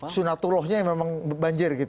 sunatullahnya memang banjir